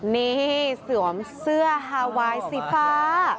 นี่เสื่อมเสื้อฮาวายสีฟ้า